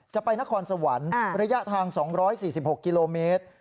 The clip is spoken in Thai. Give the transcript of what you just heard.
จะไปนครสวรรค์ระยะทาง๒๔๖กิโลเมตร